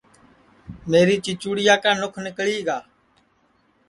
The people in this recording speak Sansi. میری چیچُوڑیا کا نُکھ نیکݪی گا